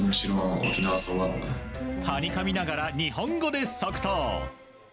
はにかみながら日本語で即答。